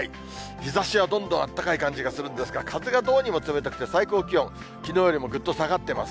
日ざしはどんどんあったかい感じがするんですが、風がどうにも冷たくて、最高気温、きのうよりもぐっと下がってます。